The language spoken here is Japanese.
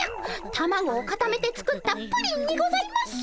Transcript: たまごをかためて作った「プリン」にございます。